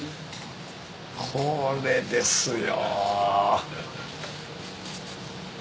これですよ。